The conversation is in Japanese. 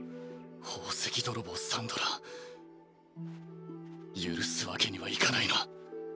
宝石泥棒サンドラ許すわけにはいかないな。